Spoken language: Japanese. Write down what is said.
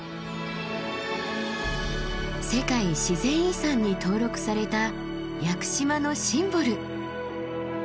世界自然遺産に登録された屋久島のシンボル。